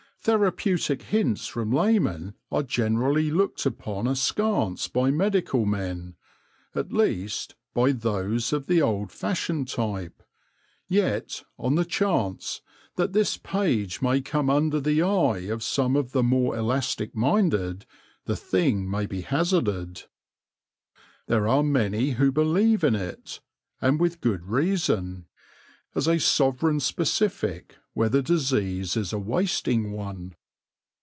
Therapeutic hints from laymen are generally looked upon askance by medical men — at least, by those of the old fashioned type ; yet, on the chance that this page may come under the eye of some of the more elastic minded, the thing may be hazarded. There are many who believe in it, and with good reason, as a sovereign specific where the disease is a wasting one.